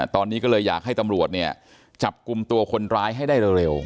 ตอนนี้ก็เลยอยากให้ตำรวจเนี่ยจับกลุ่มตัวคนร้ายให้ได้เร็ว